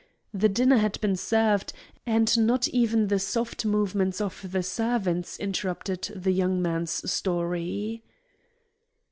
The dinner had been served, and not even the soft movements of the servants interrupted the young man's story.